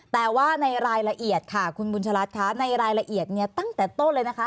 แต่ว่าในรายละเอียดค่ะคุณบุญชะลัดค่ะในรายละเอียดเนี่ยตั้งแต่ต้นเลยนะคะ